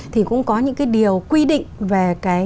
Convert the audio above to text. thì cũng có những điều quy định về